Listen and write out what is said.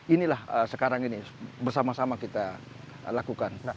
inilah sekarang ini bersama sama kita lakukan